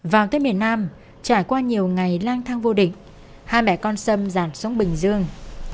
vào tuyết miền nam trải qua nhiều ngày lang thang vô địch hai mẹ con xâm dàn xuống bình dương